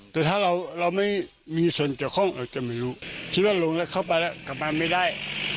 แต่ถ้าเราไม่มีส่วนเกี่ยวข้องเราจะไม่รู้คิดว่าลงแล้วเข้าไปแล้วกลับมาไม่ได้